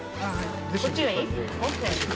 こっちがいい？